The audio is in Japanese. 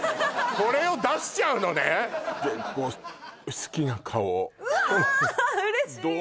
これを出しちゃうのね結構好きな顔うわ嬉しい！